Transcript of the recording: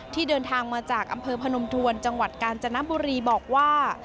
ที่เดินทางมาจากอำเภอพนมทวนจังหวัดกาญจนบุรีบอกว่า